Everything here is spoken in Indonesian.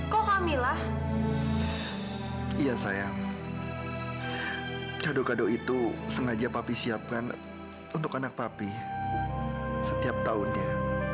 kok amilah iya sayang cadok cadok itu sengaja papi siapkan untuk anak papi setiap tahunnya